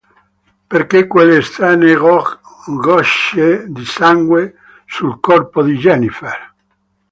Perché quelle strane gocce di sangue sul corpo di Jennifer?